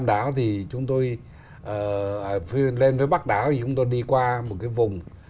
đảo thì chúng tôi lên với bắc đảo thì chúng tôi đi qua một cái vùng